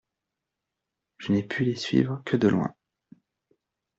Je n'ai pu les suivre que de loin.